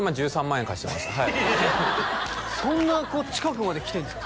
僕今そんな近くまできてるんですか？